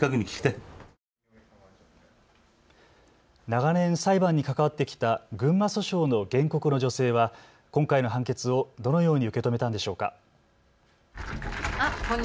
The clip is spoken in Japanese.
長年、裁判に関わってきた群馬訴訟の原告の女性は今回の判決をどのように受け止めたのでしょうか。